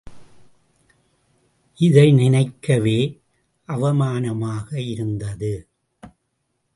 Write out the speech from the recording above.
இதை நினைக்கவே அவமானமாக இருந்தது.